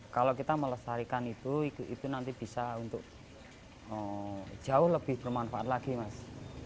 kalau kita melestarikan itu itu nanti bisa untuk jauh lebih bermanfaat lagi mas